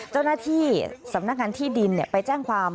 เจ้าหน้าที่สำนักงานที่ดินไปแจ้งความ